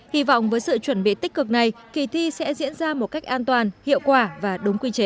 hy vọng với sự chuẩn bị tích cực này kỳ thi sẽ diễn ra một cách an toàn hiệu quả và đúng quy chế